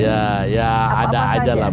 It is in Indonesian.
ya ya ada saja lah pak